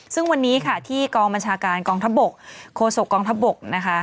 ซึ่งวันนี้ค่ะที่กองบัญชาการกองทัพบกโคศกองทัพบกนะคะ